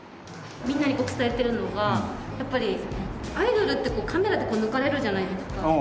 みんなに伝えてるのがやっぱりアイドルってカメラで抜かれるじゃないですか。